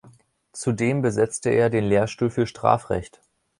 Zudem besetzte er den Lehrstuhl für Strafrecht.